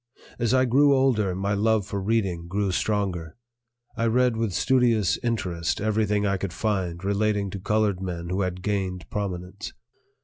As I grew older, my love for reading grew stronger. I read with studious interest everything I could find relating to colored men who had gained prominence.